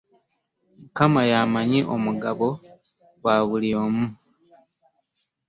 Mukama y'amanyi omugabo gwa buli omu.